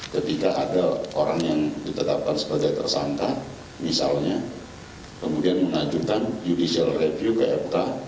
ketika ada orang yang ditetapkan sebagai tersangka misalnya kemudian mengajukan judicial review ke mk